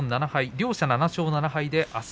両者７勝７敗であす